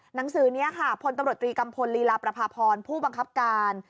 หนังสือนี้ค่ะพลตำรวจตรีกัมพลลีลาประพาพรผู้บังคับการ